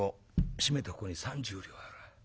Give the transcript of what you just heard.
締めてここに３０両ある。